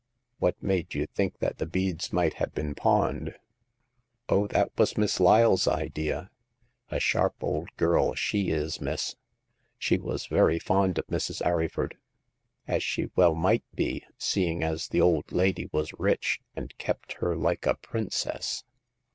What made you think that the beads might have been pawned ?" "Oh, that was Miss Lyle's idea ; a sharp old 68 Hagar of the Pawn Shop. girl she is, miss. She was very fond of Mrs. Arryford, as she well might be, seeing as the old lady was rich and kept her like a princess.